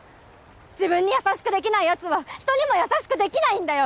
自分に優しくできないヤツは人にも優しくできないんだよ！